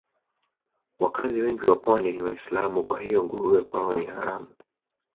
Wakazi wengi wa Pwani ni Waislamu kwa hiyo nguruwe kwao ni haramu